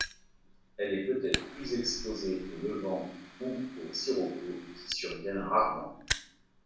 Elle peut être plus exposée au levant ou au sirocco, qui surviennent rarement.